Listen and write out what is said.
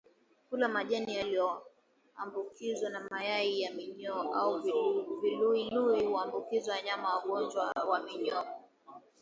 Kula majani yaliyoambukizwa na mayai ya minyoo au viluilui huambukiza wanyama ugonjwa wa minyoo